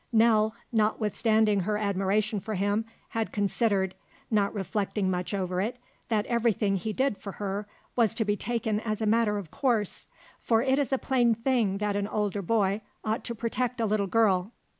Nell, notwithstanding her admiration for him, had considered, not reflecting much over it, that everything he did for her was to be taken as a matter of course, for it is a plain thing that an older boy ought to protect a little girl.